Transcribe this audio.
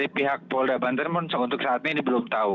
pihak polda banten untuk saat ini belum tahu